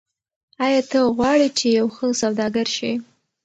آیا ته غواړې چې یو ښه سوداګر شې؟